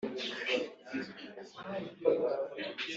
cyangwa se akaba yahitamo